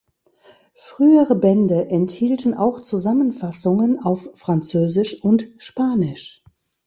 Frühere Bände enthielten auch Zusammenfassungen auf Französisch und Spanisch.